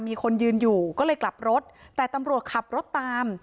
มีคนยืนอยู่ก็เลยกลับรถแต่ตำรวจขับรถตาม